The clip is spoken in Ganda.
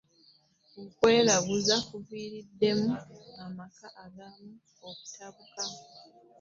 okweraguza kuviiriddemu amaka agamu okutabuka.